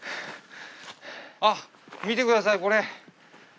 あっ見てくださいこれ。